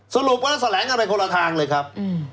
สรุปวันนั้นแถลงกันไปคนละทางเลยครับ